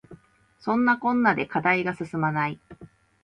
そんなこんなで課題が進まない